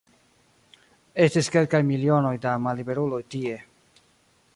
Estis kelkaj milionoj da malliberuloj tie.